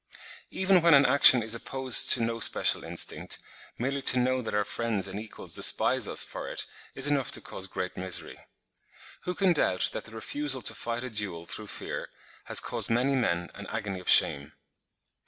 Even when an action is opposed to no special instinct, merely to know that our friends and equals despise us for it is enough to cause great misery. Who can doubt that the refusal to fight a duel through fear has caused many men an agony of shame?